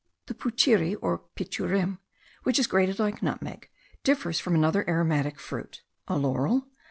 The puchery, or pichurim, which is grated like nutmeg, differs from another aromatic fruit (a laurel?)